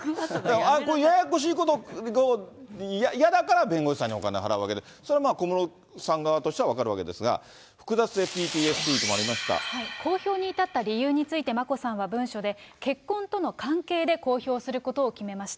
これ、ややこしいこと、嫌だから弁護士さんにお金払うわけですから、小室さん側のことは分かるわけですから、複雑性ＰＴＳＤもありま公表に至った理由について、眞子さまは、結婚との関係で発表することを決めました。